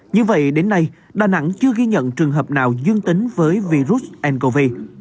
như vậy đến nay đà nẵng chưa ghi nhận trường hợp nào dương tính với virus ncov